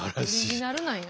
オリジナルなんや。